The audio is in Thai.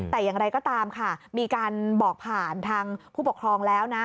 แต่อย่างไรก็ตามค่ะมีการบอกผ่านทางผู้ปกครองแล้วนะ